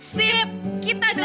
sip kita duduk